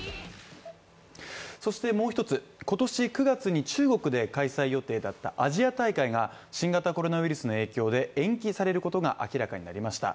そしてもう一つ、今年９月に中国で開催予定だったアジア大会が、新型コロナウイルスの影響で延期されることが明らかになりました